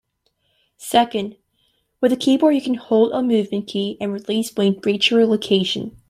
Second, with a keyboard you can hold a movement key and release when you reach your location.